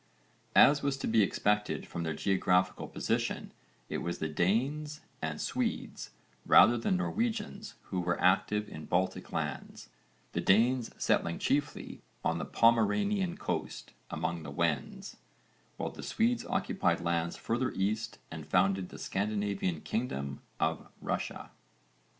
As was to be expected from their geographical position it was Danes and Swedes rather than Norwegians who were active in Baltic lands, the Danes settling chiefly on the Pomeranian coast among the Wends, while the Swedes occupied lands further east and founded the Scandinavian kingdom of Russia.